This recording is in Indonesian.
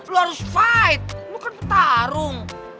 lo harus fight lo kan petarung